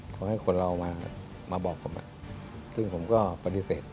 เขาให้คนเรามาบอกผมซึ่งผมก็ปฏิเสธ